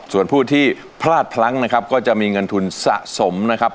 ส่วนผู้ที่พลาดพลั้งนะครับก็จะมีเงินทุนสะสมนะครับ